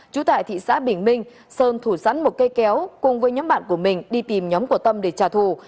trú tại thị xã bình minh sơn thủ sẵn một cây kéo cùng với nhóm bạn của mình đi tìm nhóm của tâm để trả thù